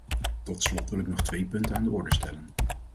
Tot slot wil ik nog twee punten aan de orde stellen.